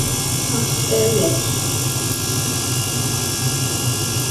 Cas ar dheis.